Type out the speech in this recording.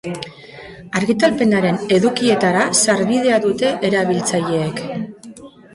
Argitalpenaren edukietara sarbidea dute erabiltzaileek.